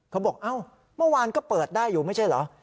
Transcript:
เขาบอกเอ้าเมื่อวานก็เปิดได้อยู่ไม่ใช่เหรอ